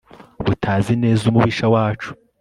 Butazi neza umubisha wacu